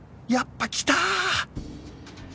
やっぱきた！